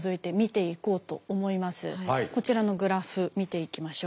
こちらのグラフ見ていきましょう。